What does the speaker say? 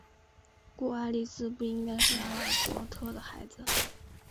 故爱丽丝不应是阿尔伯特的孩子。